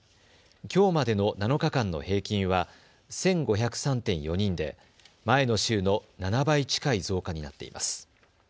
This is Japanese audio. きょうまでの７日間の平均は１５０３．４人で前の週の７倍近い増加になっています。